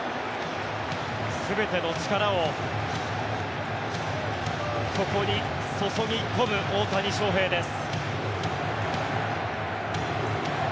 すべての力をここに注ぎ込む大谷翔平です。